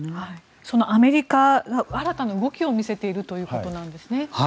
そのアメリカが新たな動きを見せているといことですね。